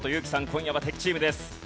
今夜は敵チームです。